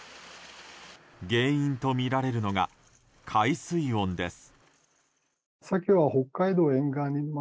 原因とみられるのが海水温です。